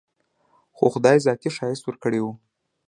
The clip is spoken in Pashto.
خو خداى ذاتي ښايست وركړى و.